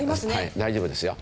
大丈夫ですよ。